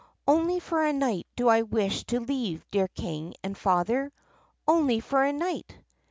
Only for a night do I wish to leave, dear King and Father — only for a night!